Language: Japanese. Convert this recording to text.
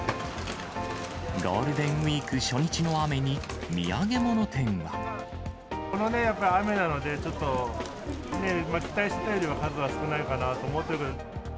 ゴールデンウィーク初日の雨このね、やっぱり雨なので、ちょっと、期待してたよりは数は少ないかなと思っているけど。